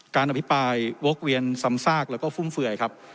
การอภิเปย์โวะบเวียนสำซากแล้วก็ฝุ่มเฟื่อยครับ